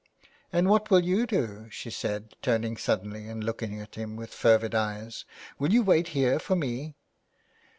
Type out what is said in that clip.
" And what will you do ?" she said, turning suddenly and looking at him with fervid eyes. " Will you wait here for me